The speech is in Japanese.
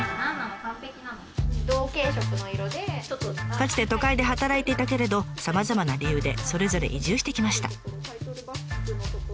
かつて都会で働いていたけれどさまざまな理由でそれぞれ移住してきました。